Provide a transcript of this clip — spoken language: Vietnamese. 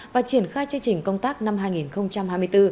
và triển khai chương trình công tác năm hai nghìn hai mươi bốn